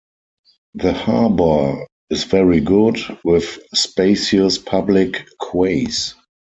The harbor is very good, with spacious public quays.